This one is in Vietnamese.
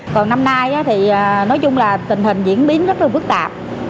còn năm nay thì nói chung là tình hình diễn biến rất là phức tạp